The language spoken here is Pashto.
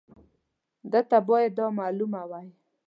ده ته باید دا معلومه وای.